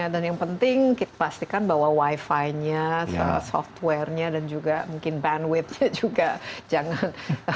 dan yang penting kita pastikan bahwa wifi nya software nya dan juga mungkin bandwidth nya juga jangan